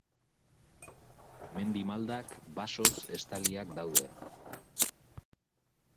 Mendi maldak basoz estaliak daude.